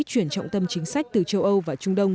chuyển trọng tâm chính sách từ châu âu và trung đông